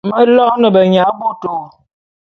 Me loene benyabôtô.